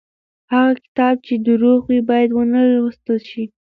هغه کتاب چې دروغ وي بايد ونه لوستل شي.